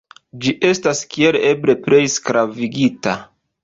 Ĝi estas kiel eble plej sklavigita.